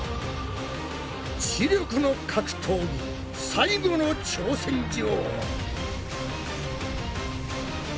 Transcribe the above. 知力の格闘技最後の挑戦状！